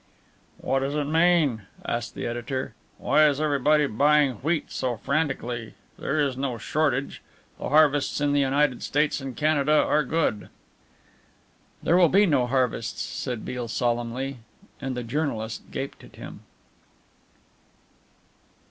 "What does it mean?" asked the editor, "why is everybody buying wheat so frantically? There is no shortage. The harvests in the United States and Canada are good." "There will be no harvests," said Beale solemnly; and the journalist gaped at him.